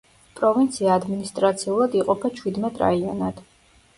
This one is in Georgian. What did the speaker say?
პროვინცია ადმინისტრაციულად იყოფა ჩვიდმეტ რაიონად.